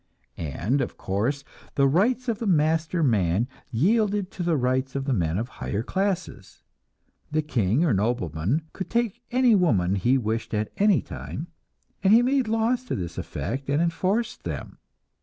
And, of course, the rights of the master man yielded to the rights of men of higher classes. The king or nobleman could take any woman he wished at any time, and he made laws to this effect and enforced them.